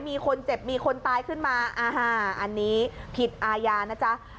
มีคนเจ็บมีคนตายขึ้นมาอันนี้ผิดอาญานะจ๊ะ